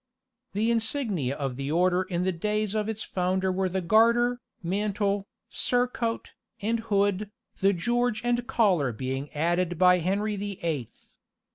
The insignia of the Order in the days of its founder were the garter, mantle, surcoat, and hood, the George and collar being added by Henry the Eighth.